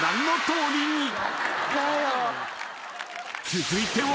［続いては］